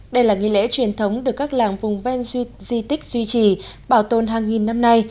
đây là nghi lễ truyền thống được các làng vùng ven di tích duy trì bảo tồn hàng nghìn năm nay